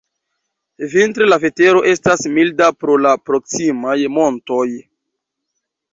Vintre la vetero estas milda pro la proksimaj montoj.